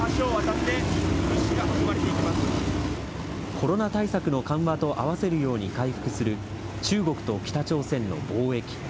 コロナ対策の緩和と合わせるように回復する、中国と北朝鮮の貿易。